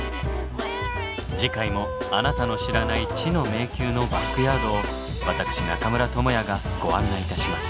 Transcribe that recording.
次回もあなたの知らない知の迷宮のバックヤードを私中村倫也がご案内いたします。